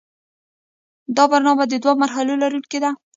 دا برنامه د دوو مرحلو لرونکې ده.